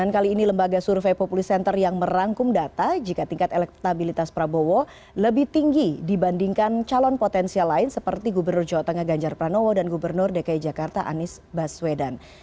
kali ini lembaga survei populi center yang merangkum data jika tingkat elektabilitas prabowo lebih tinggi dibandingkan calon potensial lain seperti gubernur jawa tengah ganjar pranowo dan gubernur dki jakarta anies baswedan